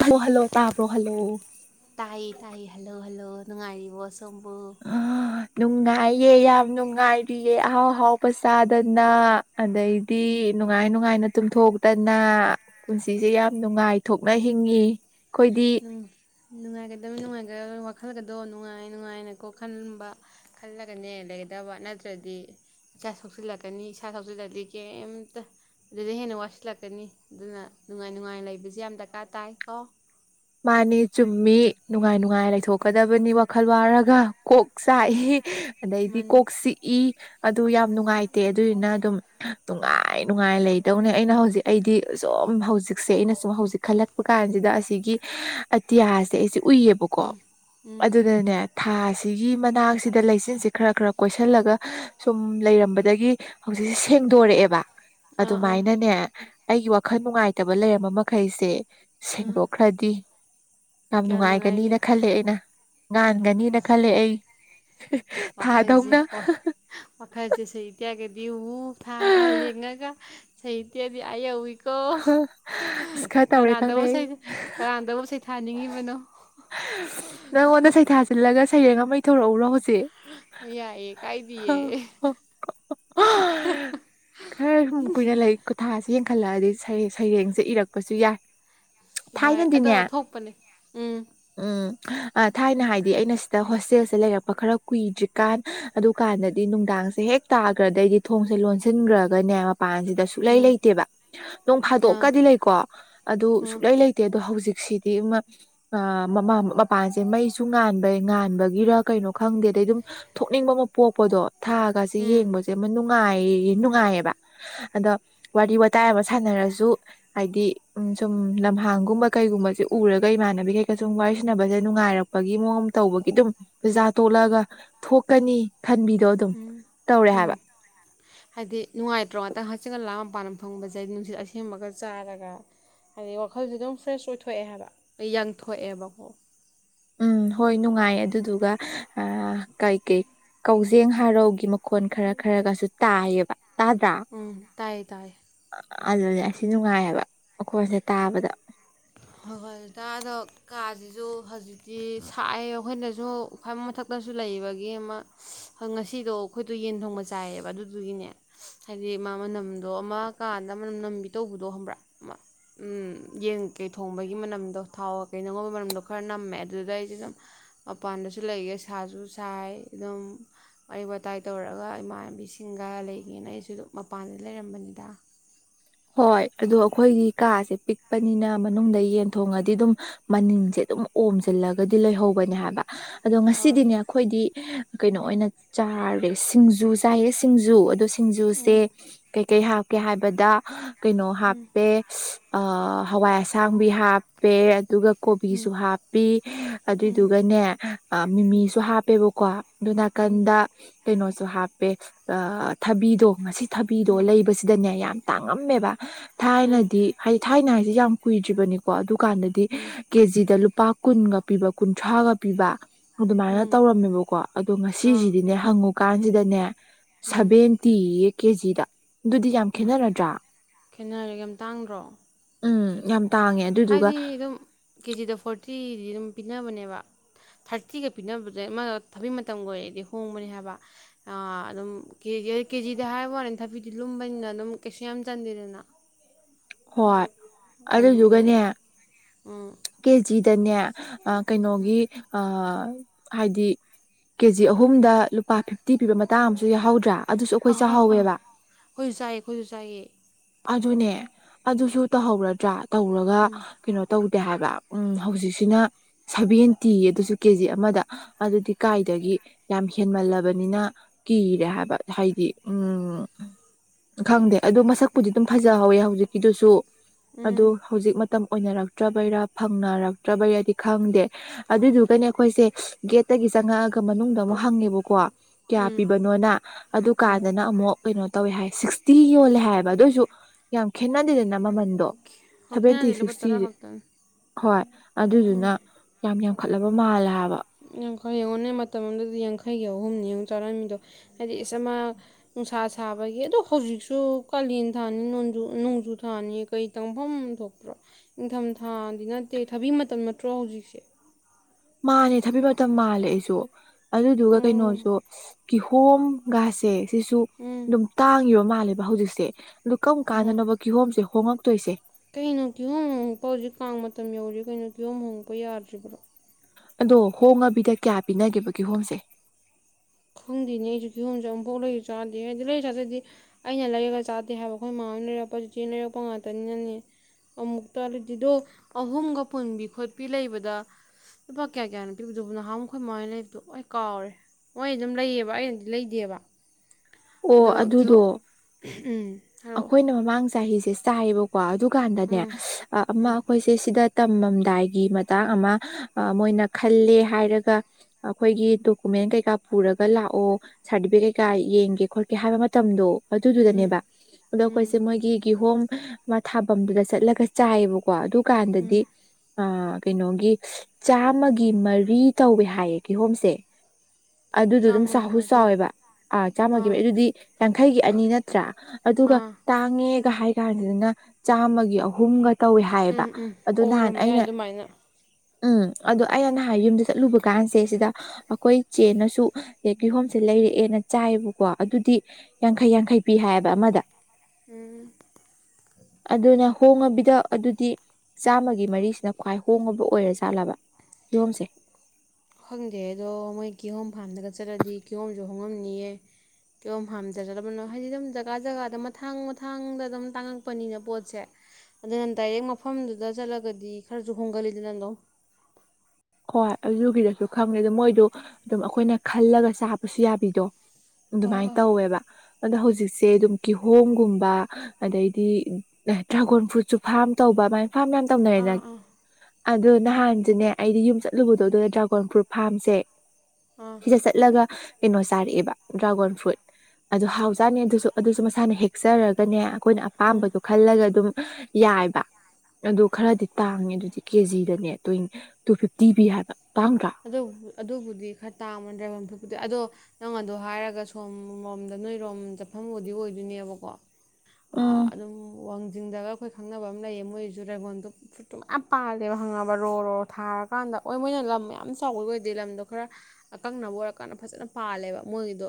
hello hello ꯇꯥꯕ꯭ꯔꯣ hello ꯑꯗꯨꯅꯨꯡ ꯉꯥꯏꯔꯤ ꯋꯥꯁꯝꯕ ꯑꯥ ꯅꯨꯡꯉꯥꯏꯌꯦ ꯌꯥꯝ ꯅꯨꯡꯉꯥꯏꯔꯤꯌꯦ ꯑꯍꯥꯎ ꯑꯍꯥꯎꯕ ꯆꯥꯗꯅ ꯑꯗꯩꯗꯤ ꯎꯝ ꯅꯨꯡꯉꯥꯏ ꯅꯨꯡꯉꯥꯏꯅ ꯇꯨꯝꯊꯣꯛꯇꯅ ꯄꯨꯟꯁꯤꯁꯦ ꯌꯥꯝ ꯅꯨꯡꯉꯥꯏꯊꯣꯛꯅ ꯍꯤꯡꯉꯤ ꯅꯅꯨꯡꯉꯥꯏꯒꯗꯃꯤ ꯅꯅꯨꯡꯉ ꯋꯥꯈꯜꯒꯗꯣ ꯅꯨꯡꯉꯥꯏ ꯅꯨꯡꯉꯥꯏꯅ ꯀꯣꯛ ꯈꯟꯕ ꯈꯜꯂꯒꯅꯦ ꯂꯩꯒꯗꯕ ꯅꯠꯇ꯭ꯔꯗꯤ ꯏꯥ ꯁꯣꯛꯆꯤꯜꯂꯛꯀꯅꯤ ꯏꯁꯥ ꯁꯣꯛꯆꯤꯜꯂꯗꯤ ꯀꯩꯝꯇ ꯑꯗꯨꯗ ꯍꯦꯟꯅ ꯋꯥꯁꯤꯜꯂꯛꯀꯅꯤ ꯑꯗꯨꯅ ꯅꯨꯡꯉꯥꯏ ꯅꯨꯡꯉꯥꯏꯅ ꯂꯩꯁꯦ ꯌꯥꯝ ꯗꯔꯀꯥꯔ ꯇꯥꯏ ꯀꯣ ꯃꯥꯅꯤ ꯆꯨꯝꯃꯤ ꯅꯨꯡꯉꯥꯏ ꯅꯨꯡꯉꯥꯏ ꯂꯩꯊꯣꯛꯀꯗꯕꯅꯤ ꯋꯥꯈꯜ ꯋꯥꯔꯒ ꯀꯣꯛ ꯆꯥꯛꯏ ꯑꯗꯩꯗꯤ ꯃꯥꯅꯤ ꯀꯣꯛ ꯁꯤꯤꯛꯏ ꯑꯗꯨ ꯌꯥꯝ ꯅꯨꯡꯉꯥꯏꯇꯦ ꯑꯗꯨꯏꯅ ꯑꯗꯨꯝ ꯅꯨꯡꯉꯥꯏ ꯅꯨꯡꯉꯥꯏ ꯂꯩꯗꯧꯅꯦ ꯑꯩꯅ ꯍꯧꯖꯤꯛ ꯑꯩꯗꯤ ꯍꯧꯖꯤꯛꯁꯦ ꯑꯩꯅ ꯁꯨꯝ ꯍꯧꯖꯤꯛ ꯈꯜꯂꯛꯄ ꯀꯥꯟꯁꯤꯗ ꯑꯁꯤꯒꯤ ꯑꯇꯤꯌꯥꯁꯦ ꯑꯩꯁꯦ ꯎꯏꯌꯦꯕꯀꯣ ꯎꯝ ꯎꯝ ꯑꯗꯨꯗꯅꯦ ꯊꯥꯁꯦ ꯑ ꯃꯅꯥꯁꯤꯗ ꯂꯩꯆꯤꯟ ꯈ ꯈ ꯀꯣꯏꯂ ꯁꯨꯝ ꯂꯩꯔ ꯍꯧ ꯗꯧꯔꯛꯑꯦꯕ ꯑꯥ ꯑꯥ ꯑꯗꯨꯃꯥꯏꯅꯅꯦ ꯑꯩꯒꯤ ꯋꯥꯈꯜ ꯅꯨꯡꯉꯥꯏꯇꯕ ꯂꯩꯔꯝꯕ ꯃꯈꯩꯁꯦ ꯑꯥ ꯁꯦꯡꯗꯣꯛꯈ꯭ꯔꯦ ꯈꯔꯗꯤ ꯌꯥꯝ ꯀꯌꯥꯝ ꯅꯨꯡꯉꯥꯏꯅꯤ ꯅꯨꯡꯉꯥꯏꯒꯅꯤꯅ ꯈꯜꯂꯦ ꯑꯩꯅ ꯉꯥꯟꯒꯅꯤꯅ ꯈꯜꯂꯦ ꯑꯩ ꯄꯈꯥꯏꯁꯤ ꯊꯥꯗꯧꯅ ꯄꯈꯥꯏꯁꯤ ꯁꯤ ꯏꯇ ꯀ ꯗꯤ ꯎ ꯐꯥ ꯐꯥ ꯂꯦꯡꯉꯒ ꯁꯍꯤꯇꯤꯗꯤ ꯑ ꯌꯧꯋꯤꯀꯣ ꯑꯁ ꯈꯔ ꯇꯧꯔꯦ ꯈꯪꯗꯦ ꯀꯅꯥꯗꯕꯨ ꯑꯩ ꯀꯅꯥꯗꯕꯨ ꯁꯩꯊꯥꯅꯤꯡꯉꯤꯕꯅꯣ ꯅꯪꯉꯣꯟꯗ ꯁꯩꯊꯥꯖꯤꯜꯂꯒ ꯁꯩꯔꯦꯡ ꯑꯃ ꯊꯣꯔꯛꯎꯔꯣ ꯍꯧꯖꯤ ꯌꯥꯏꯑ ꯀꯥꯏꯗꯤꯌꯦ ꯈꯔ ꯀꯨꯏꯅ ꯂꯩ ꯀꯊ ꯌꯦꯡꯈꯠꯂꯛꯑꯗꯤ ꯁꯩꯔꯦꯡꯁꯦ ꯏꯔꯛꯄꯁꯨ ꯌꯥꯏ ꯍꯣꯏ ꯑꯗꯣ ꯊꯥꯏꯅꯗꯤꯅꯦ ꯊꯣꯛꯄꯅꯦ ꯎꯝ ꯎꯝ ꯊꯥꯏꯅ ꯍꯥꯏꯗꯤ ꯑꯩꯅ ꯁꯤꯗ ꯍꯣꯁꯇꯦꯜꯁꯦ ꯂꯩꯔꯛꯄ ꯈꯔ ꯀꯨꯏꯗ꯭ꯔꯤꯀꯥꯟ ꯑꯗꯨꯀꯥꯟꯗꯗꯤ ꯅꯨꯡꯗꯥꯡ ꯁꯦ ꯍꯦꯛ ꯇꯥꯈ꯭ꯔꯗꯩꯗꯤ ꯊꯣꯡꯁꯦ ꯂꯣꯟꯁꯤꯟꯈ꯭ꯔꯒꯅꯦ ꯃꯄꯥꯟꯁꯤꯗ ꯁꯨꯛꯂꯩ ꯎꯝ ꯂꯩꯇꯦꯕ ꯅꯣꯡ ꯑꯥ ꯐꯥꯗꯣꯛꯑꯀꯗꯤ ꯂꯩꯀꯣ ꯑꯗꯨ ꯎꯝ ꯁꯨꯛꯂꯩ ꯂꯩꯇꯦ ꯍꯧꯖꯤꯛꯁꯤꯗꯤ ꯃꯄꯥꯟꯁꯦ ꯃꯩꯁꯨ ꯉꯥꯟꯕ ꯉꯥꯟꯕꯒꯤꯔ ꯀꯩꯅꯣ ꯈꯪꯗꯦ ꯑꯗꯩ ꯑꯗꯨꯝ ꯊꯣꯛꯅꯤꯡꯕ ꯑꯃ ꯄꯣꯛꯄꯗꯣ ꯊꯥꯒꯁꯦ ꯎꯝ ꯌꯦꯡꯕꯁꯦ ꯑꯃ ꯅꯨꯡꯉꯥꯏ ꯅꯨꯡꯉꯥꯏꯌꯦꯕ ꯑꯗ ꯋꯥꯔꯤ ꯋꯥꯋꯇꯥꯏ ꯑꯃ ꯁꯥꯟꯅꯔꯁꯨ ꯍꯥꯏꯗꯤ ꯎ ꯁꯨꯝ ꯂꯝꯍꯥꯡꯒꯨꯝꯕ ꯀꯩꯒꯨꯝꯕꯁꯦ ꯎꯔꯒ ꯏꯃꯥꯟꯅꯕꯤ ꯈꯩꯀ ꯁꯨꯝ ꯋꯥ ꯋꯥꯔꯤꯁꯅꯕꯁꯦ ꯅꯨꯡꯉꯥꯏꯔꯛꯄꯒꯤ ꯃꯑꯣ ꯑꯃ ꯇꯧꯕꯒꯤ ꯑꯗꯨꯝ ꯄꯖꯥ ꯇꯣꯂꯛꯑꯒ ꯊꯣꯛꯀꯅꯤ ꯈꯟꯕꯤꯗꯣ ꯑꯗꯨꯝ ꯎꯝ ꯇꯧꯔꯦ ꯍꯥꯏꯕ ꯎꯝ ꯍꯥꯏꯗꯤ ꯅꯨꯡꯉꯥꯏꯇ꯭ꯔ ꯉꯥꯛꯇꯪ ꯍꯛꯆꯤꯒ ꯂꯥ ꯃꯄꯥꯟ ꯐꯪꯕꯁꯦ ꯅꯨꯡꯁꯤꯠ ꯑꯁꯦꯡꯕꯒ ꯆꯥꯔꯒ ꯍꯥꯏꯗꯤ ꯋꯥꯈꯜꯁꯦ ꯑꯗꯨꯝ ꯐ꯭ꯔꯦꯁ ꯑꯣꯏꯊꯣꯛꯑꯦ ꯍꯥꯏꯕ ꯌꯥꯪꯊꯣꯛꯑꯦꯕꯀꯣ ꯎꯝ ꯍꯣꯏ ꯅꯨꯡꯉꯥꯏ ꯑꯗꯨꯗꯨꯒ ꯀꯩꯀꯩ ꯀꯧꯖꯦꯡ ꯍꯥꯔꯧꯒꯤ ꯃꯈꯣꯟ ꯈꯔ ꯈꯔꯒꯁꯨ ꯇꯥꯏꯌꯦꯕ ꯇꯥꯗ꯭ꯔꯥ ꯎꯝ ꯇꯥꯏꯌꯦ ꯇꯥꯏ ꯑꯗꯨꯅꯦ ꯑꯁꯤ ꯅꯨꯡꯉꯥꯏꯑꯕ ꯃꯈꯣꯏꯁꯦ ꯇꯥꯕꯗ ꯍ ꯍꯣꯏꯇꯥꯗꯣ ꯀꯥꯥꯁ ꯑꯗꯨ ꯍꯧꯖꯤꯛꯇꯤ ꯁꯥꯏꯑꯦ ꯑꯩꯈꯣꯏꯅꯁꯨ ꯈ꯭ꯋꯥꯏ ꯃꯊꯛꯇꯁꯨ ꯂꯩꯕꯒꯤ ꯑꯃ ꯍꯪꯁꯤ ꯤꯗꯣ ꯑꯩꯈꯣꯏꯗꯣ ꯌꯦꯟ ꯊꯣꯡꯕ ꯆꯥꯏꯑꯕ ꯑꯗꯨꯗꯨꯒꯤꯅꯦ ꯍꯥꯏꯗꯤ ꯃꯥ ꯃꯅꯝꯗꯣ ꯑꯃ ꯀꯀꯗ ꯃꯅꯝ ꯅ ꯕꯤ ꯇꯧꯕꯗꯣ ꯍꯪꯕ꯭ꯔꯥ ꯎꯝ ꯀꯩ ꯊꯣꯡꯕꯒꯤ ꯃꯅꯝꯗꯣ ꯊꯥꯎ ꯀꯩ ꯅꯉꯣꯟꯒꯤ ꯃꯅꯝꯗꯣ ꯈꯔ ꯅꯝꯃꯦ ꯑꯗꯨꯗ ꯑꯩꯁꯦ ꯁꯨꯝ ꯃꯄꯥꯟꯗꯁꯨ ꯂꯩꯒꯦ ꯄꯩꯁꯥꯁꯨ ꯁꯥꯏ ꯑꯗꯨꯝ ꯋꯥꯔꯤ ꯋꯥꯇꯥꯏ ꯇꯧꯔꯒ ꯏꯃꯥꯟ ꯏꯕꯤꯁꯤꯡꯒ ꯂꯩꯒꯦꯅ ꯑꯩꯁꯨ ꯑꯗꯨ ꯃꯄꯥꯟꯗ ꯂꯩꯔꯝꯕꯅꯤꯗ ꯍꯣꯏ ꯑꯗꯣ ꯑꯩꯈꯣꯏꯒꯤ ꯀꯥꯁꯦ ꯄꯤꯛꯄꯅꯤꯅ ꯃꯅꯨꯡꯗ ꯌꯦꯟ ꯊꯣꯡꯉꯗꯤ ꯑꯗꯨꯝ ꯃꯅꯤꯟꯁꯦ ꯑꯗꯨꯝ ꯑꯣꯝꯁꯤꯜꯂꯒꯗꯤ ꯂꯩꯍꯧꯕꯅꯦ ꯍꯥꯏꯕ ꯑꯗꯣ ꯍꯣꯏ ꯉꯁꯤꯗꯤꯅꯦ ꯑꯩꯈꯣꯏꯗꯤ ꯀꯩꯅꯣ ꯑꯣꯏꯅ ꯆꯥꯔꯦ ꯁꯤꯡꯖꯨ ꯆꯥꯏꯌꯦ ꯁꯤꯡꯖꯨ ꯑꯗꯣ ꯎꯝ ꯁꯤꯡꯖꯨꯁꯦ ꯀꯩꯀꯩ ꯍꯥꯞꯀꯦ ꯍꯥꯏꯕꯗ ꯀꯩꯅꯣ ꯎꯝ ꯍꯥꯞꯄꯦ ꯍꯋꯥꯏ ꯑꯁꯥꯡꯕꯤ ꯍꯥꯞꯄꯦ ꯑꯗꯨꯒ ꯎꯝ ꯀꯣꯕꯤꯁꯨ ꯍꯥꯞꯄꯤ ꯎꯝ ꯑꯗꯨꯏꯗꯨꯒꯅꯦ ꯃꯤꯃꯤꯁꯨ ꯍꯥꯞꯄꯦꯕꯀꯣ ꯑꯗꯨꯅ ꯎꯝ ꯀꯗ ꯀꯩꯅꯣꯁꯨ ꯍꯥꯞꯄꯦ ꯊꯕꯤꯗꯣ ꯉꯁꯤ ꯊꯕꯤꯗꯣ ꯎꯝ ꯂꯩꯕꯁꯤꯗꯅꯦ ꯌꯥꯝ ꯉꯝꯃꯦꯕ ꯎꯝ ꯊꯥꯏꯅꯗꯤ ꯍꯥꯏꯗꯤ ꯊꯥꯏꯅ ꯍꯥꯏꯁ ꯌꯥꯝ ꯀꯨꯏꯗ꯭ꯔꯤꯕꯅꯤꯀꯣ ꯑꯗꯨ ꯑꯗꯨ ꯀꯥꯟꯗꯗꯤ ꯎꯝ ꯀꯦꯖꯤꯗ ꯂꯨꯄꯥ ꯀꯨꯟꯒ ꯄꯤꯕ ꯀꯨꯟꯊ꯭ꯔꯥꯒ ꯄꯤꯕ ꯑꯗꯨꯃꯥꯏꯅ ꯎꯝ ꯇꯧꯔꯝꯃꯦꯕꯀꯣ ꯑꯗꯣ ꯑꯥ ꯉꯁꯤꯁꯤꯗꯤꯅꯦ ꯍꯪꯉꯨꯀꯥꯟꯁꯤꯗꯅꯦ ꯎꯝ ꯁꯚꯦꯟꯇꯤ ꯀꯦꯖꯤꯗ ꯑꯗꯨꯗꯤ ꯌꯥꯝ ꯈꯦꯠꯅꯔꯦ ꯈꯦꯅꯔꯒꯦ ꯌꯥꯝ ꯇꯥꯡꯗ꯭ꯔꯣ ꯎꯝ ꯌꯥꯝ ꯇꯥꯡꯉꯦ ꯑꯗꯨꯗꯨꯒ ꯍꯥꯏꯗꯤ ꯑꯗꯨꯝ ꯀꯦꯖꯤꯗ ꯐꯣꯔꯇꯤꯗꯤ ꯑꯗꯨꯝ ꯄꯤꯅꯕꯅꯦꯕ ꯊꯥꯔꯇꯤꯒ ꯄꯤꯅꯕꯗ ꯃꯥ ꯊꯕꯤꯛ ꯃꯇꯝꯒ ꯑꯣꯏꯔꯗꯤ ꯍꯣꯡꯕꯅꯦ ꯍꯥꯏꯕ ꯑꯗꯨꯝ ꯑꯩ ꯀꯦꯖꯤꯗ ꯍꯥꯏꯕ ꯋꯥꯟꯅ ꯊꯥꯔꯐꯤꯗꯤ ꯂꯨꯝꯕꯅꯤꯅ ꯑꯗꯨꯝ ꯀꯩꯁꯨ ꯌꯥꯝ ꯆꯟꯗꯦꯗꯅ ꯍꯣꯏ ꯑꯗꯨꯅꯦ ꯑꯗꯨꯗꯨꯒꯅꯦ ꯎꯝ ꯀꯦꯖꯤꯗꯅꯦ ꯑ ꯀꯩꯅꯣꯒꯤ ꯑ ꯍꯥꯏꯗꯤ ꯀꯦꯖꯤ ꯑꯍꯨꯝꯗ ꯂꯨꯄꯥ ꯐꯤꯐꯇꯤ ꯄꯤꯕ ꯃꯇꯥꯡ ꯑꯃꯁꯨ ꯌꯥꯎꯍꯧꯗ꯭ꯔꯥ ꯑꯗꯨꯁꯨ ꯑꯩꯈꯣꯏ ꯑꯥ ꯑꯥ ꯑꯥ ꯆꯥꯍꯧꯋꯦꯕ ꯑꯩꯈꯣꯏꯁꯨ ꯆꯥꯏꯌꯦ ꯑꯩꯈꯣꯏꯁꯨ ꯆꯥꯏꯌꯦ ꯑꯗꯨꯅꯦ ꯑꯗꯨꯁꯨ ꯇꯧꯍꯧꯔꯗ꯭ꯔꯥ ꯇꯧꯔꯒ ꯎꯝ ꯀꯩꯅꯣ ꯇꯧꯗꯦ ꯍꯥꯏꯕ ꯎꯝ ꯍꯧꯖꯤꯛꯁꯤꯅ ꯁꯚꯦꯟꯇꯤ ꯑꯗꯨꯁꯨ ꯀꯦ ꯖꯤ ꯑꯃꯗ ꯑꯗꯨꯗꯤ ꯀꯥꯏꯗꯒꯤ ꯌꯥꯝ ꯍꯦꯟꯃꯜꯂꯕꯅꯤꯅ ꯀꯤꯔꯦ ꯍꯥꯏꯕ ꯍꯥꯏꯗꯤ ꯎꯝ ꯈꯪꯗꯦ ꯑꯗꯨ ꯃꯁꯛꯄꯨꯗꯤ ꯑꯗꯨꯝ ꯐꯖꯍꯧꯋꯦ ꯍꯧꯖꯤꯛꯀꯤꯗꯨꯁꯨ ꯎꯝ ꯑꯗꯨ ꯍꯧꯖꯤꯛ ꯃꯇꯝ ꯑꯣꯏꯅꯔꯛꯇ꯭ꯔꯕꯩꯔꯥ ꯐꯪꯅꯔꯛꯇ꯭ꯔꯕꯩꯔꯗꯤ ꯈꯪꯗꯦ ꯑꯗꯨꯗꯨꯒꯅꯦ ꯑꯩꯈꯣꯏꯁꯦ ꯒꯦꯠꯇꯒꯤ ꯆꯪꯉꯛꯑꯒ ꯃꯅꯨꯡꯗ ꯑꯃꯨꯛ ꯍꯪꯉꯦꯕꯀꯣ ꯀꯌꯥ ꯎꯝ ꯄꯤꯕꯅꯣꯅ ꯑꯗꯨ ꯎꯝ ꯀꯥꯟꯗꯅ ꯑꯃꯨꯛ ꯀꯩꯅꯣ ꯇꯧꯋꯦ ꯍꯥꯏ ꯁꯤꯛꯁꯇꯤ ꯌꯣꯜꯂꯦ ꯍꯥꯏꯌꯦꯕ ꯑꯗꯨꯑꯣꯏꯁꯨ ꯌꯥꯝ ꯈꯦꯠꯅꯗꯦꯗꯅ ꯃꯃꯟꯗꯣ ꯍ ꯁꯚꯦꯟꯇꯤ ꯈꯦꯅ ꯏꯂꯕ ꯇꯔꯒ ꯁꯤꯛꯁꯇꯤꯁꯦ ꯍꯥꯛꯇꯅ ꯍꯣꯏ ꯑꯗꯨꯗꯨꯅ ꯌꯥꯝ ꯌꯥꯝꯡꯈꯠꯂꯕ ꯃꯥꯜꯂꯦ ꯍꯥꯏꯕ ꯎꯝ ꯍꯣꯏ ꯌꯦꯡꯉꯣꯟꯅꯦꯩ ꯃꯇꯝ ꯑꯃꯗꯗꯤ ꯌꯥꯡꯈꯩꯒꯤ ꯑꯍꯨꯝꯅꯤ ꯌꯦꯡꯉ ꯆꯥꯔꯝꯃꯤꯗꯣ ꯍꯥꯏꯗꯤ ꯏꯁꯝ ꯑꯃ ꯅꯨꯡꯁꯥ ꯁꯥꯕ ꯑꯗꯣ ꯍꯧꯖꯤꯛꯁꯨ ꯀꯥꯂꯦꯟ ꯊꯥꯅꯤ ꯅꯣꯡꯖꯨ ꯊꯥꯅꯤ ꯀꯩ ꯇꯪꯐꯝ ꯊꯣꯛꯄ꯭ꯔꯣ ꯅꯤꯡꯪꯊꯝꯊꯥꯗꯤ ꯅꯠꯇꯦ ꯊꯕꯤ ꯃꯇꯝ ꯅꯠꯇ꯭ꯔꯣ ꯍꯧꯖꯤꯛꯁꯦ ꯃꯥꯜꯂ ꯊꯕꯤ ꯃꯇꯝ ꯃꯥꯜꯂꯦ ꯑꯩꯁꯨ ꯑꯗꯨꯗꯨꯒ ꯎꯝ ꯀꯩꯅꯣꯁꯨ ꯀꯤꯍꯣꯝꯒꯁꯦ ꯁꯤꯁꯨ ꯎꯝ ꯑꯗꯨꯝ ꯇꯥꯡꯉꯤꯕ ꯃꯥꯜꯂꯦꯕ ꯍꯧꯖꯤꯛꯁꯦ ꯂꯨꯀꯝ ꯃꯥ ꯀꯥꯟꯅꯅꯕ ꯀꯤꯍꯣꯝꯁꯦ ꯍꯣꯡꯉꯛꯇꯣꯏꯁꯦ ꯀꯩꯅꯣ ꯀꯤꯌꯍꯣꯝ ꯍꯣꯡꯉꯛꯄ ꯍꯧꯖꯤꯛ ꯀꯥꯡ ꯃꯇꯝ ꯌꯧꯔꯤ ꯀꯩꯅꯣ ꯀꯤꯍꯣꯝ ꯍꯣꯡꯉꯛꯄ ꯌꯥꯗ꯭ꯔꯤꯕ꯭ꯔꯣ ꯑꯗꯣ ꯍꯣꯉꯕꯤꯗ ꯀꯌꯥ ꯄꯤꯅꯒꯦꯕ ꯀꯤꯍꯣꯝꯁꯦ ꯈꯪꯗꯦꯅꯦ ꯑꯩꯁꯨ ꯀꯤꯍꯣꯝꯁꯨꯦ ꯑꯃꯨꯐꯥꯎ ꯂꯩꯁꯨ ꯆꯥꯗꯦ ꯍꯥꯏꯗꯤ ꯂꯩꯔ ꯆꯥꯗꯗꯤ ꯑꯩꯅ ꯂꯩꯔꯒ ꯆꯥꯗꯦ ꯍꯥꯏꯕ ꯑꯩꯈꯣꯏ ꯃꯃ ꯇꯅ ꯔ ꯆꯖꯤꯅ ꯔꯔꯄ ꯉꯅꯤꯅꯤ ꯑꯃꯨꯛꯇꯂꯗꯤꯗꯣ ꯑꯍꯨꯝꯒ ꯄꯨꯟꯕꯤ ꯈꯣꯠꯄꯤ ꯂꯩꯕꯗ ꯂꯨꯄꯥ ꯀꯌꯥ ꯀꯌꯥꯅꯣ ꯄꯤꯕꯤꯗꯕ ꯅꯍꯥꯟ ꯃꯈꯩ ꯃꯃꯥꯏꯅ ꯂꯩꯕꯗꯣ ꯍ ꯀꯥꯎꯔꯦ ꯃꯣꯏ ꯑꯗꯨꯝ ꯂꯩꯌꯦꯕ ꯑꯩꯅꯗꯤ ꯂꯩꯇꯦꯕ ꯑꯣ ꯑꯗꯨꯗꯣ ꯎꯝ ꯍꯥꯏꯔꯛꯑꯣ ꯑꯩꯈꯣꯏꯅ ꯃꯃꯥꯡ ꯆꯍꯤꯁꯦ ꯆꯥꯏꯌꯦꯕꯀꯣ ꯑꯗꯨꯀꯥꯟꯗꯅꯦ ꯎꯝ ꯑꯃ ꯎꯝ ꯑꯩꯈꯣꯏꯁꯦ ꯁꯤꯗ ꯇꯝꯃꯝꯗꯥꯏꯒꯤ ꯃꯇꯥꯡ ꯑꯃ ꯃꯣꯏꯅ ꯈꯜꯂꯦ ꯍꯥꯏꯔꯒ ꯑꯩꯈꯣꯏꯒꯤ ꯗꯣꯀꯨ ꯀꯩ ꯄꯨꯔꯒ ꯂꯥꯛꯑꯣ ꯁꯥꯔꯤꯐꯤꯀꯦꯠ ꯀ ꯌꯦꯡꯒꯦ ꯈꯣꯠꯀꯦ ꯍꯥꯏꯕ ꯃꯇꯝꯗꯣ ꯎꯝ ꯑꯗꯨꯗꯨꯗꯅꯦꯕ ꯑꯗꯣ ꯎꯝ ꯑꯩꯈꯣꯏꯁꯦ ꯃꯣꯏꯒꯤ ꯀꯤꯍꯣꯝ ꯊꯥꯐꯝꯗꯨꯗ ꯆꯠꯂꯒ ꯆꯥꯏꯌꯦꯕꯀꯣ ꯀꯣ ꯎꯝ ꯑꯗꯨꯀꯥꯟꯗꯗꯤ ꯑ ꯀꯩꯅꯣꯒꯤ ꯆꯥꯝꯃꯒꯤ ꯃꯔꯤ ꯇꯧꯋꯦ ꯍꯥꯏꯌꯦ ꯀꯤꯍꯣꯝꯁꯦ ꯑꯗꯨꯗꯣ ꯑꯗꯨꯝ ꯆꯥꯝꯃꯒꯤ ꯆꯥꯎꯥꯛꯍꯨ ꯃꯔꯤ ꯆꯥꯎꯋꯦꯕ ꯑꯥ ꯆꯥꯝꯃꯒꯤ ꯃꯤ ꯑꯗꯨꯗꯤ ꯌꯥꯡꯈꯩꯒꯤ ꯑꯅꯤ ꯅꯠꯇ꯭ꯔꯥ ꯑꯗꯨꯒ ꯑꯥ ꯇꯥꯡꯉꯦꯒ ꯍꯥꯏ ꯀꯥꯟꯁꯤꯗꯅ ꯆꯥꯝꯃꯒꯤ ꯑꯍꯨꯝꯒ ꯇꯧꯏꯦ ꯍꯥꯏꯌꯦꯕ ꯎꯝ ꯎꯝ ꯑꯗꯨ ꯅꯍꯥꯟ ꯑꯣꯏꯔꯝꯕ ꯌꯥꯏ ꯑꯩꯅ ꯑꯗꯨꯃꯥꯏꯅ ꯎꯝ ꯑꯗꯣ ꯑꯩꯅ ꯅꯍꯥꯟ ꯌꯨꯝꯗ ꯆꯠꯂꯨꯕ ꯀꯥꯟꯁꯦ ꯁꯤꯗ ꯑꯩꯈꯣꯏ ꯆꯦꯅꯁꯨ ꯑꯦ ꯀꯍꯣꯝꯁꯦ ꯂꯩꯔꯛꯑꯦꯅ ꯆꯥꯏꯑꯕꯀꯣ ꯑꯗꯨꯗꯤ ꯌꯥꯡꯈꯩ ꯌꯥꯡꯈꯩ ꯄꯤ ꯍꯥꯏꯌꯦꯕ ꯑꯃꯗ ꯎꯝ ꯑꯗꯨꯅ ꯍꯣꯡꯉꯕꯤꯗ ꯑꯗꯨꯗꯤ ꯆꯥꯝꯃꯒꯤ ꯃꯔꯤꯁꯤꯅ ꯈ꯭ꯋꯥꯏ ꯍꯣꯡꯉꯕ ꯑꯣꯏꯔꯖꯥꯠꯂꯕ ꯀꯤꯌꯣꯝꯁꯦ ꯈꯪꯗꯦ ꯑꯗꯣ ꯃꯣꯏ ꯀꯤꯍꯣꯝ ꯐꯥꯔꯝꯗꯒ ꯆꯠꯂꯗꯤ ꯀꯤꯍꯣꯝꯁꯨ ꯍꯣꯡꯉꯝꯅꯤꯌꯦ ꯀꯩꯣꯝ ꯍꯥꯝꯖꯗꯕꯅꯣ ꯍꯥꯏꯗꯤ ꯑꯗꯨꯝ ꯖꯒꯥ ꯖꯒꯥꯗ ꯃꯊꯥꯡ ꯃꯊꯥꯡꯗ ꯑꯗꯨꯝ ꯇꯥꯡꯉꯛꯄꯅꯤꯅ ꯄꯣꯠꯁꯦ ꯑꯗꯨ ꯅꯪ ꯗꯥꯏꯔꯦꯛ ꯃꯐꯝꯗꯨꯗ ꯆꯠꯂꯒꯗꯤ ꯈꯔꯁꯨ ꯍꯣꯡꯒꯠꯜꯂꯤꯗ ꯅꯪꯗꯣ ꯍꯣꯏ ꯑꯗꯨꯒꯤꯗꯁꯨ ꯈꯪꯗꯦ ꯑꯗ ꯃꯣꯏꯗꯣ ꯑꯗꯨꯝ ꯑꯩꯈꯣꯏꯅ ꯈꯜꯂꯒ ꯆꯥꯕꯁꯨ ꯌꯥꯕꯤꯗꯣ ꯑꯣ ꯑꯗꯨꯃꯥꯏꯅ ꯑꯣ ꯇꯧꯋꯦꯕ ꯑꯗꯣ ꯍꯧꯖꯤꯛꯁꯦ ꯑꯗꯨꯝ ꯀꯤꯍꯣꯝꯒꯨꯝꯕ ꯑꯗꯩꯗꯤ ꯑꯦ ꯗ꯭ꯔꯥꯒꯣꯟ ꯐ꯭ꯔꯨꯠꯁꯨ ꯐꯥꯔꯝ ꯇꯧꯕ ꯑꯗꯨꯥꯏ ꯐꯥꯔꯝ ꯌꯥꯝ ꯇꯧꯅꯔꯦꯅ ꯑꯥ ꯑꯥ ꯑꯗꯨꯗ ꯅꯍꯥꯟꯁꯤꯅꯦ ꯑꯩꯗꯤ ꯌꯨꯝ ꯆꯠꯂꯨꯕꯗꯣ ꯑꯗꯨꯗ ꯗ꯭ꯔꯥꯒꯣꯟ ꯐ꯭ꯔꯨꯠ ꯐꯥꯔꯝꯁꯦ ꯑꯥ ꯁꯤꯗ ꯆꯠꯂꯒ ꯀꯩꯅꯣꯁꯦ ꯇꯥꯔꯛꯑꯦꯕ ꯗ꯭ꯔꯥꯒꯣꯟ ꯐ꯭ꯔꯨꯏꯠ ꯑꯗꯨꯗ ꯍꯥꯎꯖꯥꯠꯅꯤ ꯑꯗꯨꯁꯨ ꯑꯗꯨꯁꯨ ꯃꯁꯥꯅ ꯍꯦꯛꯆꯔꯒꯅꯦ ꯑꯩꯈꯣꯏꯅ ꯑꯥ ꯑꯄꯥꯝꯕꯗꯣ ꯈꯜꯂꯒ ꯑꯗꯨꯝ ꯌꯥꯏꯕ ꯑꯗꯨ ꯈꯔꯗꯤ ꯇꯥꯡꯉꯦ ꯑꯗꯨꯗꯤ ꯀꯦꯖꯤꯗꯅꯦ ꯇ ꯇꯨ ꯐꯤꯐꯇꯤ ꯄꯤ ꯍꯥꯏꯕ ꯇꯥꯡꯗ꯭ꯔꯥ ꯑꯗꯨꯕꯨꯗꯤ ꯈꯔ ꯇꯥꯃꯗ꯭ꯔꯕꯐ ꯗꯤ ꯑꯗꯣ ꯅꯪ ꯑꯗꯣ ꯍꯥꯏꯔꯒ ꯁꯣꯝ ꯔꯣꯝꯗ ꯅꯣꯏꯔꯣꯝ ꯆꯠꯐꯝꯕꯨꯗꯤ ꯑꯣꯏꯗꯣꯏꯅꯦꯕꯀꯣ ꯑ ꯎꯝ ꯑꯗꯨ ꯋꯥ ꯤꯡꯗꯒ ꯑꯩꯈꯣꯏ ꯈꯪꯅꯕ ꯑꯃ ꯂꯩꯌꯦ ꯃꯣꯏꯁꯨ ꯔꯦꯒꯣꯟꯗꯣ ꯐꯨꯠꯇꯨ ꯃꯌꯥꯝ ꯄꯥꯗꯦꯕ ꯍꯪꯉꯕ ꯔꯣ ꯔꯣ ꯊꯔꯀꯥꯟꯗ ꯑꯣꯏ ꯃꯣꯏꯅ ꯂꯝ ꯌꯥꯝ ꯆꯥꯎꯕꯒꯤ ꯑꯣꯏꯗꯦ ꯂꯝꯗꯣ ꯈꯔ ꯑꯀꯛꯅꯕ ꯑꯣꯏꯔꯀꯥꯟꯗ ꯐꯖꯅ ꯄꯥꯜꯂꯦꯕ ꯃꯣꯏꯒꯤꯗꯣ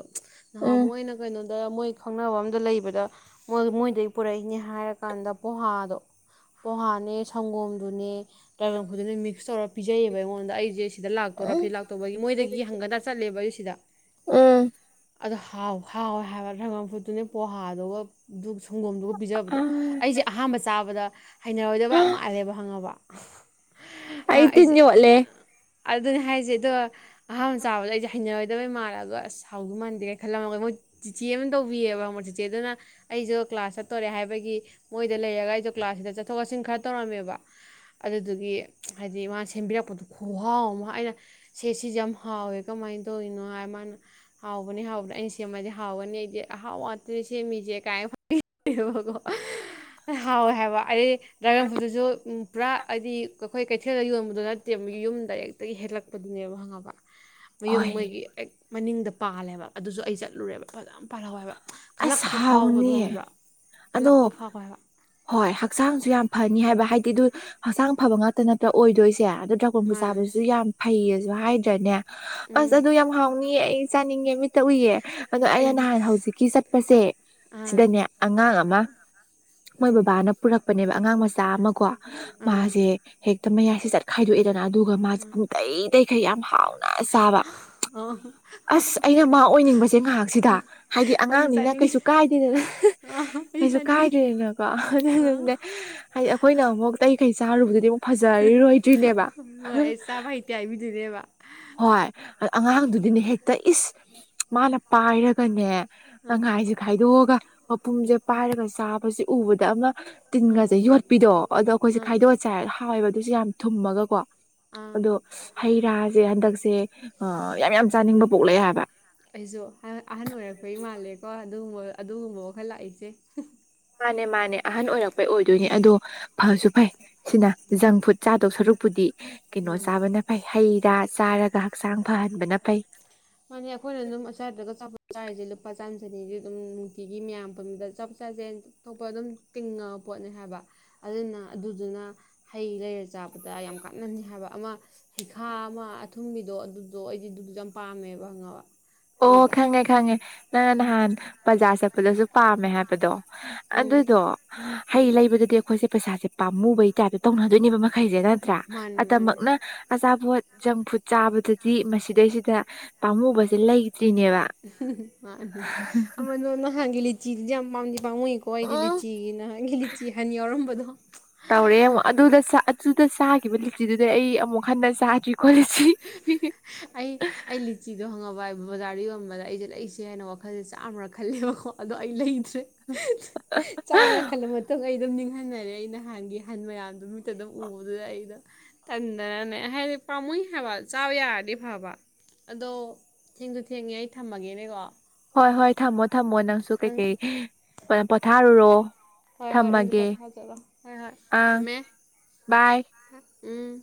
ꯅꯍꯥꯟ ꯎꯝ ꯃꯣꯏꯅ ꯀꯩꯅꯣꯗ ꯃꯣꯏ ꯈꯪꯅꯕ ꯑꯝꯗ ꯂꯩꯕꯗ ꯣꯏ ꯃꯣꯏꯗꯒꯤ ꯄꯨꯔꯛꯏꯅꯦ ꯍꯥꯏꯔꯀꯥꯟꯗ ꯕꯣꯍꯥꯗꯣ ꯄꯣꯍꯥꯅꯦ ꯁꯪꯒꯣꯝꯗꯨꯅꯦ ꯇ꯭ꯔꯥꯏꯕꯪꯈꯗꯨꯅꯦ ꯃꯤꯛꯁ ꯇꯧꯔ ꯄꯤꯖꯩꯌꯦꯕ ꯑꯩꯉꯣꯟꯗ ꯑꯩꯁꯦ ꯁꯤꯗ ꯂꯥꯛꯇꯣꯔꯥ ꯐꯤ ꯎꯝ ꯂꯥꯛꯇꯧꯕꯒꯤ ꯃꯣꯏꯗꯒꯤ ꯍꯪꯒꯗ꯭ꯔꯥ ꯆꯠꯂꯦꯕ ꯑꯩꯒꯤ ꯁꯤꯗ ꯑꯗꯨ ꯍ ꯍꯥꯎꯋꯦ ꯍꯥꯏꯕ ꯗꯪꯒꯝ ꯐꯨꯠꯇꯨꯅꯦ ꯄꯣꯍꯥꯗꯨꯒ ꯈꯣꯡꯗꯣꯝꯗꯨꯒ ꯑ ꯄꯤꯖꯕꯗꯣ ꯑꯩꯁꯦ ꯑꯍꯥꯟꯕ ꯆꯥꯕꯗ ꯍꯩꯅꯔꯣꯏꯗꯕ ꯌꯥꯝ ꯃꯥꯜꯂꯦꯕ ꯍꯪꯉꯕ ꯑꯥꯏꯇꯤꯟꯅꯤ ꯋꯥꯂꯦ ꯑꯗꯨꯅꯦ ꯍꯥꯏꯁꯦ ꯑꯗꯣ ꯑꯍꯥꯟꯕ ꯆꯥꯕꯗ ꯑꯩꯁꯦ ꯍꯩꯅꯔꯣꯏꯗꯕꯩ ꯃꯥꯜꯂꯒꯣ ꯑꯁ ꯍꯥꯎꯗ ꯃꯥꯟꯗꯦ ꯀꯅ ꯈꯜꯂꯝꯃꯒ ꯃꯣꯏ ꯆꯤꯆꯦ ꯑꯃ ꯇꯧꯕꯤꯑꯕ ꯑꯃꯛ ꯆꯤꯆꯦ ꯑꯗꯨꯅ ꯑꯩꯁꯨ ꯀ꯭ꯂꯥꯁ ꯆꯠꯇꯣꯔꯦ ꯍꯥꯏꯕꯒꯤ ꯃꯣꯏꯗ ꯂꯩꯔꯒ ꯑꯩꯁꯨ ꯀ꯭ꯂꯥꯁꯁꯤꯗ ꯆꯠꯊꯣꯛ ꯆꯠꯁꯤꯟ ꯈꯔ ꯇꯧꯔꯝꯃꯦꯕ ꯑꯗꯨꯗꯨꯒꯤ ꯍꯥꯏꯗꯤ ꯃꯥꯅ ꯁꯦꯝꯕꯤꯔꯛꯄꯗꯨ ꯈꯣ ꯍꯥꯎ ꯑꯃ ꯑꯩꯅ ꯁꯦꯠ ꯁꯤꯁꯦ ꯌꯥꯝ ꯍꯥꯎꯋꯦ ꯀꯃꯥꯏꯅ ꯇꯧꯔꯤꯅꯣ ꯍꯥꯏ ꯃꯥꯅ ꯍꯥꯎꯕꯅꯤ ꯍꯥꯎꯕꯗ ꯑꯩꯅ ꯁꯦ ꯃ ꯍꯕꯅꯤꯦ ꯍꯥꯎ ꯋꯥꯁꯤꯦ ꯃꯤꯦ ꯀꯥꯏ ꯐꯣ ꯍꯥꯎꯋꯦ ꯍꯥꯏꯕ ꯑꯩ ꯗ꯭ꯔꯥꯒꯟ ꯐ꯭ꯔꯨꯠꯇꯨꯁꯨ ꯄꯨꯔꯥ ꯍꯥꯏꯗꯤ ꯑꯩꯈꯣꯏ ꯀꯩꯊꯦꯜꯗ ꯌꯣꯟꯕꯗꯣ ꯅꯠꯇꯦ ꯌꯨꯝ ꯍ ꯃꯌ ꯍꯣꯏ ꯃꯅꯤꯡ ꯑꯩ ꯆꯠꯂꯨꯔꯦꯕ ꯐꯖꯅ ꯄꯥꯜꯍꯧꯋꯦꯕ ꯑꯁ ꯀꯜꯂꯛꯄ ꯍꯥꯎꯅꯤꯌꯦ ꯐꯥꯎꯕꯗꯣꯪꯕ꯭ꯔꯥ ꯑꯗꯣ ꯀꯜꯂꯛꯄ ꯐꯥꯎꯋꯦ ꯍꯥꯏꯕ ꯍꯣꯏ ꯍꯛꯆꯥꯡꯁꯨ ꯌꯥꯝ ꯐꯅꯤ ꯍꯥꯏꯕ ꯍꯥꯏꯗꯤ ꯑꯗꯨ ꯍꯛꯆꯥꯡ ꯐꯕ ꯉ ꯈꯇ ꯅꯠꯇ ꯑꯣꯏꯗꯣꯏꯁꯦ ꯑꯗꯣ ꯗ꯭ꯔꯥꯒꯣꯣꯟꯕꯨ ꯃꯥꯅꯦ ꯆꯥꯕꯁꯨ ꯌꯥꯝ ꯐꯩꯌꯦꯁꯨ ꯍꯥꯏꯗ꯭ꯔꯅꯦ ꯑꯁ ꯎꯝ ꯑꯗꯨ ꯌꯥꯝ ꯍꯥꯎꯅꯤꯌꯦ ꯑꯩ ꯆꯥꯅꯤꯡꯉꯦ ꯃꯤꯠꯇ ꯎꯏꯌꯦ ꯑꯗꯣ ꯑꯩꯅ ꯑꯩꯗꯤ ꯅꯍꯥꯟ ꯍꯧꯖꯤꯛꯀꯤ ꯆꯠ ꯆꯄꯁꯦ ꯑꯥ ꯁꯤꯗꯅꯦ ꯑꯉꯥꯡ ꯑꯃ ꯃꯣꯏ ꯕꯕꯥꯅ ꯄꯨꯔꯛꯄꯅꯦꯕ ꯑꯉꯥꯡ ꯃꯆꯥ ꯑꯃ ꯀꯣ ꯑꯥ ꯃꯥꯁꯦ ꯍꯦꯛ ꯃꯌꯥꯏꯁꯦ ꯆꯠꯈꯥꯏꯗꯣꯛꯑꯦꯗꯅ ꯑꯗꯨꯒ ꯃꯥꯁꯦ ꯄꯨꯡꯇꯩ ꯇꯩꯈꯩ ꯌꯥꯝ ꯍꯥꯎꯅ ꯆꯥꯕ ꯑꯣ ꯑꯁ ꯑꯩꯅ ꯃꯥ ꯑꯣꯏꯅꯤꯡꯕꯁꯦ ꯉꯥꯏꯍꯥꯛꯁꯤꯗ ꯍꯥꯏꯗꯤ ꯑꯩꯁꯨ ꯑꯅ ꯆꯥꯅꯤꯡꯉꯤ ꯀꯩꯁꯨ ꯀꯥꯏꯗꯦꯗꯅ ꯑꯥ ꯑꯩꯁꯨ ꯀꯩꯁꯨ ꯆꯥꯅꯤꯡꯉꯤ ꯀꯥꯏꯗꯦꯗꯅꯀꯣ ꯑꯥ ꯑꯗꯨꯪꯅꯦ ꯍꯥꯏꯗꯤ ꯑꯩꯈꯣꯏ ꯑꯩꯅ ꯑꯃꯨꯛ ꯀꯇꯩ ꯀꯩ ꯆꯥꯔꯨꯕꯗꯨꯗꯤ ꯑꯃꯨꯛ ꯐꯖꯔꯔꯣꯏꯗ꯭ꯔꯤꯅꯦꯕ ꯍꯣꯏ ꯑꯩ ꯆꯥꯕ ꯍꯩꯇꯦ ꯍꯥꯏꯕꯤꯗꯨꯅꯦꯕ ꯍꯣꯏ ꯑꯉꯥꯡꯗꯨꯗꯤꯅꯦ ꯍꯦꯛꯇ ꯏꯁ ꯃꯥꯅ ꯄꯥꯏꯔꯒꯅꯦ ꯑꯥ ꯇꯪꯍꯥꯏꯁꯦ ꯈꯥꯏꯗꯣꯛꯑꯒ ꯃꯄꯨꯝꯁꯦ ꯄꯥꯏꯔꯒ ꯆꯥꯕꯁꯦ ꯎꯕꯗ ꯑꯃ ꯇꯤꯟꯒꯁꯦ ꯌꯣꯠꯄꯤꯗꯣ ꯑꯗꯣ ꯑꯩꯈꯣꯏꯁꯦ ꯑꯥ ꯑꯥ ꯈꯥꯏꯗꯣꯛꯑ ꯆꯦꯔꯒ ꯍꯥꯎꯕ ꯑꯗꯨꯁꯨ ꯌꯥꯝ ꯊꯨꯝꯃꯒꯀꯣ ꯑꯥ ꯑꯗꯣ ꯍꯩ ꯔꯥꯁꯦ ꯍꯟꯗꯛꯁꯦ ꯁꯦ ꯌꯥꯝ ꯌꯥꯝ ꯆꯥꯅꯤꯡꯕ ꯄꯣꯛꯂꯦ ꯍꯥꯏꯕ ꯑꯩꯁꯨ ꯑꯍꯟ ꯑꯣꯏꯔꯛꯄꯩ ꯃꯥꯜꯂꯦꯀꯣ ꯑꯗꯨꯒꯨꯝꯕ ꯑꯗꯨꯒꯨꯝꯕ ꯋꯥꯈꯜ ꯂꯥꯛꯏꯁꯦ ꯃꯥꯅꯦ ꯃꯥꯅꯦ ꯑꯍꯟ ꯑꯣꯏꯔꯛꯄꯩ ꯑꯣꯏꯗꯣꯏꯅꯦ ꯑꯗꯣ ꯐꯁꯨ ꯐꯩ ꯁꯤꯅ ꯖꯪ ꯐꯨꯗ ꯆꯥꯗꯧ ꯁꯔꯨꯛꯄꯨꯗꯤ ꯀꯩꯅꯣ ꯃꯥꯅꯦ ꯆꯥꯕꯅ ꯐꯩ ꯍꯩ ꯔꯥ ꯆꯥꯔꯒ ꯍꯛꯆꯥꯡ ꯐꯍꯟꯕꯅ ꯐꯩ ꯃꯥꯅꯤ ꯑꯩꯈꯣꯏꯅ ꯑꯗꯨꯝ ꯑꯁꯏꯗꯒ ꯆꯔꯤꯁꯦ ꯂꯛꯄꯥ ꯆꯥꯝ ꯆꯅꯤꯗꯤ ꯑꯗꯨꯝ ꯅꯨꯡꯇꯤꯒꯤ ꯃꯌꯥꯝ ꯄꯨꯟꯕꯗ ꯆꯞ ꯆꯥꯁꯦ ꯊꯣꯛꯄ ꯑꯗꯨꯝ ꯇꯤꯡꯉꯕ ꯄꯣꯠꯅꯤ ꯍꯥꯏꯕ ꯑꯗꯨꯅ ꯑꯗꯨꯗꯨꯅ ꯍꯩ ꯂꯩꯔ ꯆꯥꯕꯗ ꯌꯥꯝ ꯀ ꯆꯞꯅꯅꯤ ꯍꯥꯏꯕ ꯑꯃ ꯍꯩꯈꯥ ꯑꯃ ꯑꯊꯨꯝꯕꯤꯗꯣ ꯑꯗꯨꯗꯣ ꯑꯩꯗꯤ ꯑꯗꯨꯗꯨꯁꯨ ꯌꯥꯝ ꯄꯥꯝꯃꯦꯕ ꯍꯪꯉꯕ ꯑꯣ ꯈꯪꯉꯦ ꯈꯉꯦ ꯅ ꯅꯍꯥꯟ ꯕꯖꯥꯔ ꯆꯠꯄꯗꯁꯨ ꯄꯥꯝꯃꯦ ꯍꯥꯏꯕꯗꯣ ꯎꯝ ꯑꯗꯨꯗꯣ ꯍꯩ ꯎꯝ ꯂꯩꯕꯗꯗꯤ ꯑꯩꯈꯣꯏꯁꯦ ꯄꯩꯁꯥꯁꯦ ꯄꯥꯝꯃꯨꯕꯩ ꯇꯥꯏꯞꯇꯣ ꯇꯧꯅꯗꯣꯏꯅꯦꯕ ꯃꯈꯩꯁꯦ ꯅꯠꯇ꯭ꯔꯥ ꯃꯥꯅꯦ ꯃꯥꯅꯦ ꯑꯗꯃꯛꯅ ꯑꯆꯥꯄꯣꯠ ꯖꯪ ꯐꯨꯗ ꯆꯥꯕꯗꯗꯤ ꯃꯁꯤꯗꯩꯁꯤꯗ ꯄꯥꯝꯃꯨꯕꯁꯦ ꯂꯩ ꯃꯥ ꯑꯃ ꯅꯅ ꯍꯥꯒꯦ ꯆꯤꯖ ꯌꯥꯝ ꯄ ꯄꯥꯝꯃꯨꯏꯀꯣ ꯑꯩꯒꯤ ꯎꯝ ꯂꯤꯆꯤꯒꯤꯅ ꯑꯩꯒꯤ ꯂꯤꯆꯤ ꯍꯥꯟꯅ ꯌꯥꯎꯔꯝꯕꯗꯣ ꯑꯗꯨꯨꯗ ꯆꯥꯈꯤꯕ ꯂꯤꯆꯤꯗꯨꯗꯩ ꯑꯩ ꯑꯃꯨꯛ ꯍꯟꯅ ꯆꯥꯗ꯭ꯔꯤ ꯀꯁꯤ ꯑꯩ ꯑꯩ ꯂꯤꯆꯤꯗꯣ ꯍꯪꯉꯕ ꯕꯖꯥꯔꯗ ꯌꯣꯟꯕꯗ ꯑꯩꯁꯦ ꯂꯩꯁꯦ ꯍꯥꯏꯅ ꯋꯥꯈꯜꯁꯦ ꯆꯥꯝꯃ꯭ꯔ ꯈꯜꯂꯦꯕꯀꯣ ꯑꯗꯣ ꯑꯩ ꯂꯩ ꯆꯥꯝꯃꯅ ꯈꯜꯂ ꯃꯇꯨꯡ ꯑꯩ ꯑꯗꯨꯝ ꯅꯤꯡꯍꯟꯅꯔꯦ ꯑꯩ ꯅꯍꯥꯟꯒꯤ ꯑꯍꯟ ꯃꯌꯥꯝꯗꯨꯣ ꯃꯤꯠꯇ ꯑꯗꯨꯝ ꯎꯕꯗꯨꯗ ꯑꯩꯩꯅꯣ ꯇꯗꯅꯦ ꯍꯥꯏꯗꯤ ꯄꯥꯝꯃꯨꯏ ꯍꯥꯏꯕ ꯆꯥꯕ ꯌꯥꯔꯗꯤ ꯐꯕ ꯑꯗꯣ ꯊꯦꯡꯁꯨ ꯊꯦꯡꯉꯦ ꯑꯩ ꯊꯝꯃꯒꯦꯅꯦꯀꯣ ꯍꯣꯏ ꯍꯣꯏ ꯊꯝꯃꯣ ꯊꯝꯃꯣ ꯅꯪꯁꯨ ꯅꯪ ꯀꯩꯀꯩ ꯄꯣꯊꯥꯔꯨꯔꯣ ꯍꯣꯏ ꯍꯣꯏ ꯊꯝꯃꯒꯦ ꯑꯗꯨꯪꯄꯣꯖꯔꯣ ꯍꯣꯏ ꯍꯣꯏ ꯑꯪ ꯊꯝꯃꯦ ꯕꯥꯏ ꯎꯝ